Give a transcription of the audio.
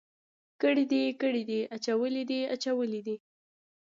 کړي دي، کړی دی، اچولی دی، اچولي دي.